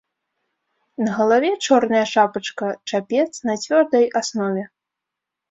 На галаве чорная шапачка-чапец на цвёрдай аснове.